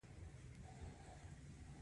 فیوډالانو په خپله په ځمکو کې کار نشو کولی.